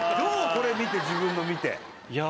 これ見て自分の見ていや